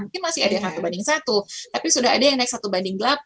mungkin masih ada yang satu banding satu tapi sudah ada yang naik satu banding delapan